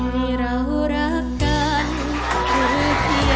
ที่เรารักกันหรือเพียงแค่ฉันรักเธอ